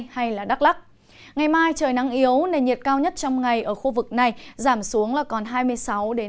hãy đăng ký kênh để ủng hộ kênh của chúng mình nhé